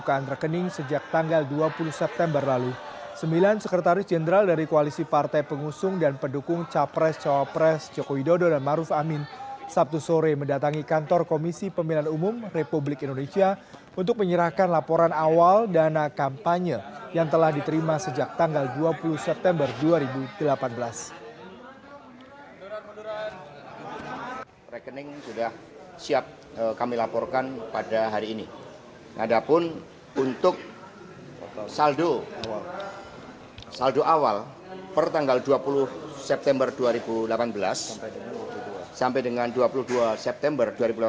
kepala komisi pemilinan umum republik indonesia untuk menyerahkan laporan awal dana kampanye yang telah diterima sejak tanggal dua puluh september dua ribu delapan belas